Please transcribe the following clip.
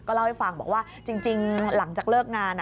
เล่าให้ฟังบอกว่าจริงหลังจากเลิกงาน